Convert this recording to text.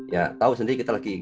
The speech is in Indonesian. ya tahu sendiri kita lagi